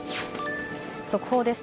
速報です。